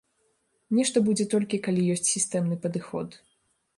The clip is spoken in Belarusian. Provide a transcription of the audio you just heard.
Нешта будзе толькі, калі ёсць сістэмны падыход.